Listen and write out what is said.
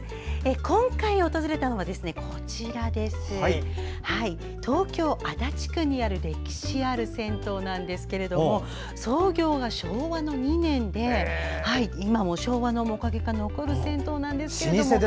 今回訪れたのは東京・足立区にある歴史ある銭湯なんですけども創業は昭和２年で今も昭和の面影が残る銭湯なんです。